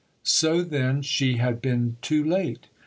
III So, then, she had been too late.